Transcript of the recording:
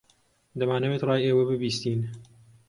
دەمانەوێت ڕای ئێوە ببیستین.